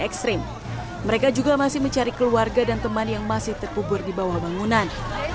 ekstrim mereka juga masih mencari keluarga dan teman yang masih terkubur di bawah bangunan